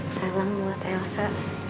salam buat elsa